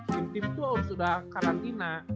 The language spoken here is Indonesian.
team team tuh harus sudah karantina